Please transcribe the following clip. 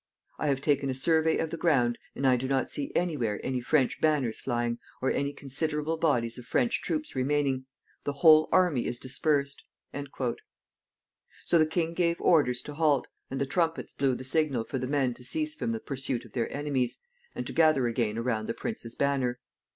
I have taken a survey of the ground, and I do not see any where any French banners flying, or any considerable bodies of French troops remaining. The whole army is dispersed." So the king gave orders to halt, and the trumpets blew the signal for the men to cease from the pursuit of their enemies, and to gather again around the prince's banner.